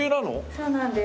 そうなんです。